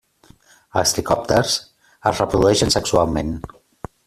Els tricòpters es reprodueixen sexualment.